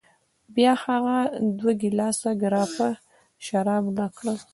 بیا هغه دوه ګیلاسه ګراپا شراب ډک کړل.